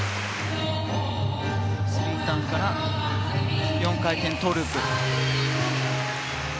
スリーターンから４回転トウループ。